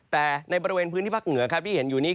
แต่ในบริเวณพื้นที่ภาคเหนือครับที่เห็นอยู่นี้